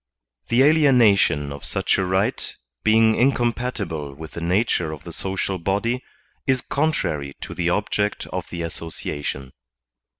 The aliena tion of such a right, being incompatible with the nature of the social body, is contrary to the object of the asso ciation.